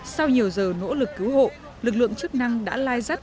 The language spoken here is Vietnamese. sau nhiều giờ nỗ lực cứu hộ lực lượng chức năng đã lai dắt